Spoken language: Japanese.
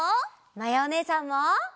まやおねえさんも！